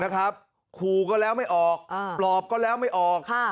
นะครับคูก็แล้วไม่ออกอ่าปลอบก็แล้วไม่ออกค่ะ